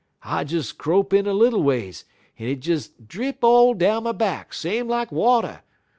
I des crope in a little ways, en it des drip all down my back, same like water.